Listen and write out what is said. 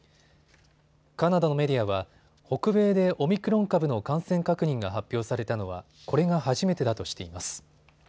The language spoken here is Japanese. カナダのメディアは北米でオミクロン株の感染確認が発表されたのはこれが初めてだとしています。